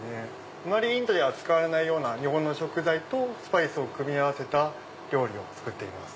あまりインドでは使われないような日本の食材とスパイスを組み合わせた料理を作っています。